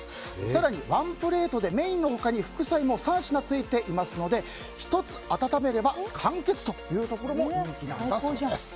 更にワンプレートでメインの他に副菜も３品ついていますので１つ温めれば完結というところも人気なんだそうです。